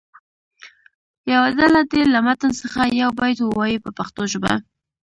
یوه ډله دې له متن څخه یو بیت ووایي په پښتو ژبه.